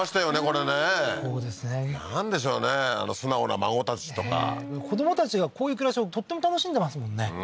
これねそうですねなんでしょうねあの素直な孫たちとか子どもたちがこういう暮らしをとっても楽しんでますもんね